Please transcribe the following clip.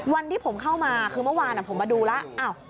วันที่ผมเข้ามาคือเมื่อวานผมมาดูแล้ว